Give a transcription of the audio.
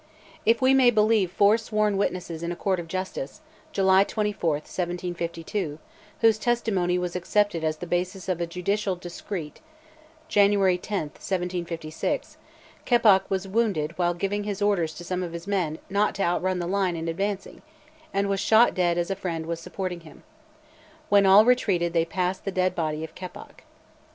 If we may believe four sworn witnesses in a court of justice (July 24, 1752), whose testimony was accepted as the basis of a judicial decreet (January 10, 1756), Keppoch was wounded while giving his orders to some of his men not to outrun the line in advancing, and was shot dead as a friend was supporting him. When all retreated they passed the dead body of Keppoch.